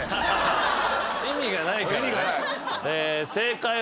意味がないから。